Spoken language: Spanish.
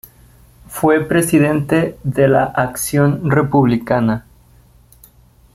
Fue presidente de la Acción Republicana.